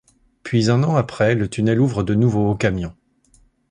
Puis, un an après, le tunnel ouvre de nouveau aux camions.